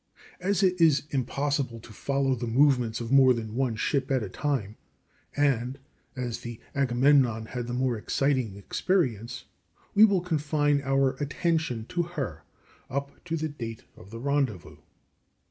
As it is impossible to follow the movements of more than one ship at a time, and as the Agamemnon had the more exciting experience, we will confine our attention to her up to the date of the rendezvous.